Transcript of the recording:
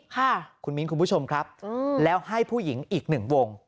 ค่ะคุณมิ้นคุณผู้ชมครับอืมแล้วให้ผู้หญิงอีกหนึ่งวง